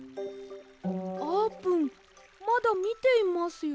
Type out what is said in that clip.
あーぷんまだみていますよ。